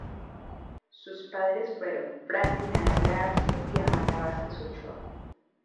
Sus padres fueron Franklin Anaya Arze y Amanda Vázquez Ochoa.